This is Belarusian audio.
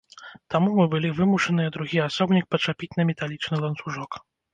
Таму мы былі вымушаныя другі асобнік пачапіць на металічны ланцужок.